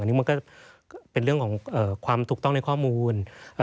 อันนี้มันก็เป็นเรื่องของความถูกต้องในข้อมูล